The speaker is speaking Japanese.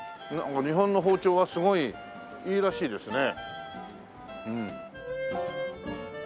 日本の包丁はすごいいいらしいですね。